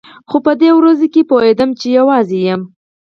خو په دې ورځو کښې پوهېدم چې يوازې يم.